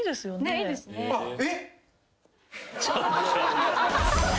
えっ！？